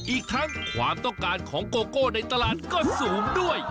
อีกทั้งความต้องการของโกโก้ในตลาดก็สูงด้วย